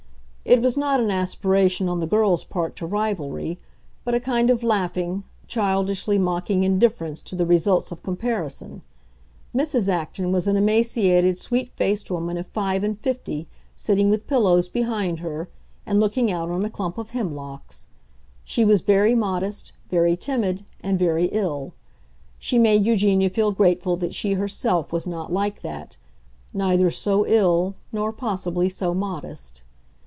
It was not an aspiration on the girl's part to rivalry, but a kind of laughing, childishly mocking indifference to the results of comparison. Mrs. Acton was an emaciated, sweet faced woman of five and fifty, sitting with pillows behind her, and looking out on a clump of hemlocks. She was very modest, very timid, and very ill; she made Eugenia feel grateful that she herself was not like that—neither so ill, nor, possibly, so modest.